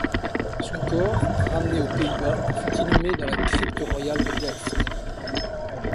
Son corps, ramené aux Pays-Bas, fut inhumé dans la crypte royale de Delft.